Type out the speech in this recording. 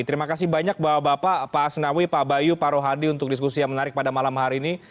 terima kasih banyak bapak bapak pak asnawi pak bayu pak rohadi untuk diskusi yang menarik pada malam hari ini